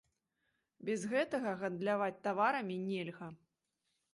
Без гэтага гандляваць таварамі нельга.